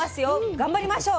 頑張りましょう！